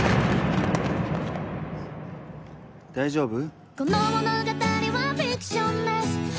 大丈夫？